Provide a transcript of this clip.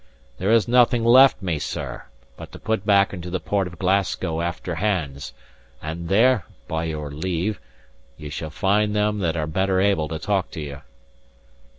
There is nothing left me, sir, but to put back into the port of Glasgow after hands; and there (by your leave) ye will find them that are better able to talk to you."